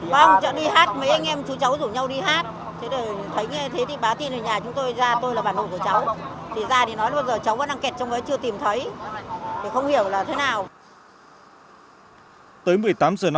vâng chẳng đi hát mấy anh em chú cháu rủ nhau đi hát thế rồi thấy nghe thế thì báo tin ở nhà chúng tôi ra tôi là bản đồ của cháu thì ra thì nói là bây giờ cháu vẫn đang kẹt trong đấy chưa tìm thấy thì không hiểu là thế nào